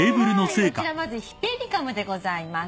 こちらまずヒペリカムでございます。